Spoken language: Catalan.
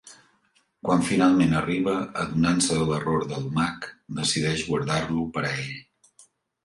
Quan finalment arriba, adonant-se de l'error del mag, decideix guardar-lo per a ell.